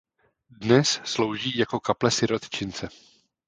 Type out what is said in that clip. Dnes slouží jako kaple sirotčince.